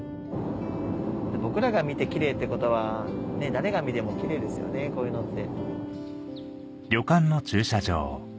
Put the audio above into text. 僕らが見てキレイってことは誰が見てもキレイですよねこういうのって。